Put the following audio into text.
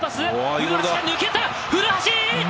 古橋が抜けた、古橋！